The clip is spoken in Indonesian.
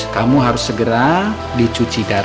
kamu harus segera dicuci darah